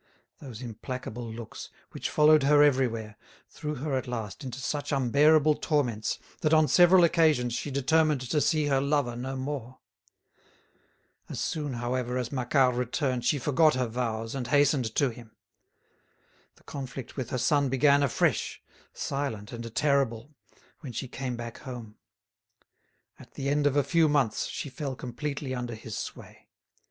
Those implacable looks, which followed her everywhere, threw her at last into such unbearable torments that on several occasions she determined to see her lover no more. As soon, however, as Macquart returned she forgot her vows and hastened to him. The conflict with her son began afresh, silent and terrible, when she came back home. At the end of a few months she fell completely under his sway.